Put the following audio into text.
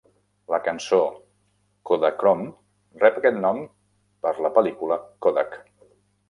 La cançó "Kodachrome" rep aquest nom per la pel·lícula Kodak.